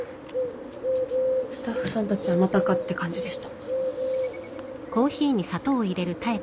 スタッフさんたちはまたかって感じでした。